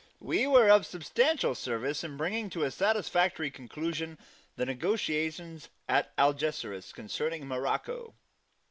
We were of substantial service in bringing to a satisfactory conclusion the negotiations at Algeciras concerning Morocco.